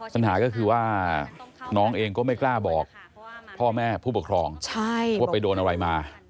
ปัญหาก็คือว่าน้องเองก็ไม่กล้าบอกพ่อแม่ผู้ปกครองว่าไปโดนอะไรมา